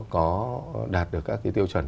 có đạt được các cái tiêu chuẩn